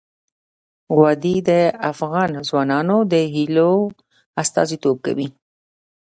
وادي د افغان ځوانانو د هیلو استازیتوب کوي.